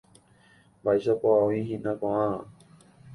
Mba'éichapa oĩhína ko'ág̃a.